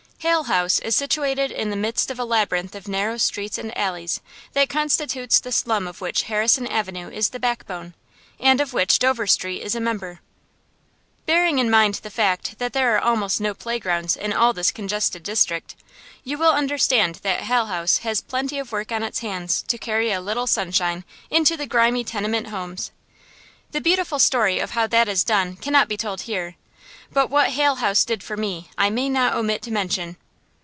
Hale House is situated in the midst of the labyrinth of narrow streets and alleys that constitutes the slum of which Harrison Avenue is the backbone, and of which Dover Street is a member. Bearing in mind the fact that there are almost no playgrounds in all this congested district, you will understand that Hale House has plenty of work on its hands to carry a little sunshine into the grimy tenement homes. The beautiful story of how that is done cannot be told here, but what Hale House did for me I may not omit to mention.